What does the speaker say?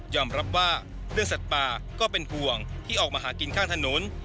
ยรับว่าเรื่องสัตว์ป่าก็เป็นกว่าที่โบ้งที่ออกมาหากลงข้างธนุน